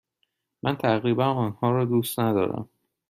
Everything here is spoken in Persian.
من تقریبا آنها را دوست ندارم.